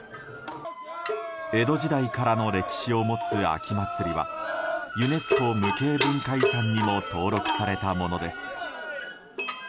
江戸時代からの歴史を持つ秋祭りはユネスコ無形文化遺産にも登録されたものです。